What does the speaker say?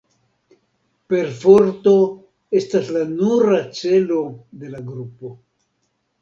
Perforto estas la nura celo de la grupo.